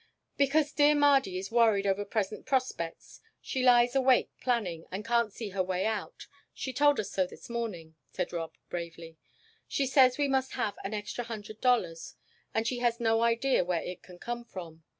"Because dear Mardy is worried over present prospects; she lies awake planning, and can't see her way out she told us so this morning," said Rob, bravely. "She says we must have an extra hundred dollars and she has no idea where it can come from.